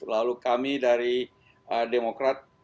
lalu kami dari demokrat